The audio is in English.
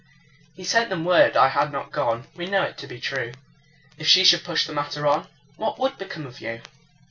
He sent them word I had not gone. (We know it to be true.) If she should push the matter on, What would become of you?